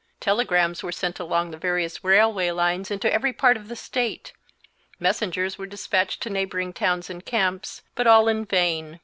Telegrams were sent along the various railway lines into every part of the State; messengers were despatched to neighboring towns and camps, but all in vain.